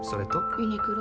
ユニクロ